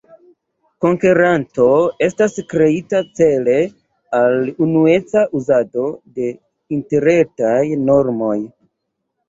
Konkeranto estas kreita cele al unueca uzado de Interretaj normoj.